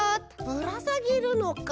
ぶらさげるのか。